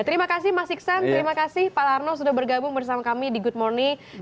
terima kasih mas iksan terima kasih pak larno sudah bergabung bersama kami di good morning